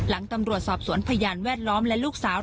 หลังตำรวจสอบสวนพยานแวดล้อมและลูกสาว